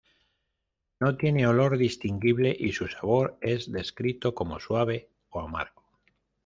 No tiene olor distinguible y su sabor es descrito como suave o amargo.